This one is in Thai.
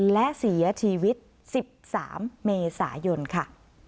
และเสียชีวิต๑๓เมษายนค่ะ